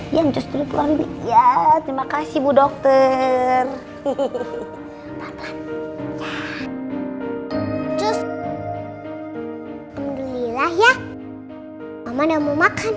yang justru pelan pelan ya terima kasih bu dokter hehehe